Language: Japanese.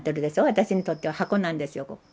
私にとっては箱なんですよ。